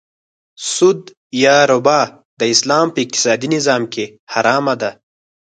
سود یا ربا د اسلام په اقتصادې نظام کې حرامه ده .